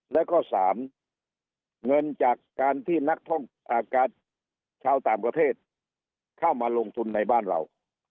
แล้วก็๓เงินจากการที่นักท่องชาวต่างประเทศเข้ามาลงทุนในบ้านเรา